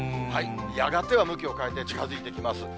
やがては向きを変えて近づいてきます。